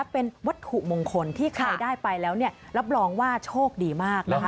เป็นวัตถุมงคลที่ใครได้ไปแล้วรับรองว่าโชคดีมากนะคะ